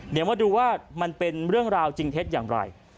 เดี๋ยวมาดูว่ามันเป็นเรื่องราวจริงเท็จอย่างไร